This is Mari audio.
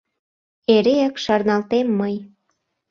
Эреак шарналтем мый